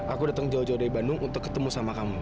aku datang jauh jauh dari bandung untuk ketemu sama kamu